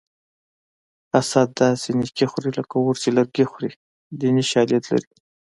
حسد داسې نیکي خوري لکه اور چې لرګي خوري دیني شالید لري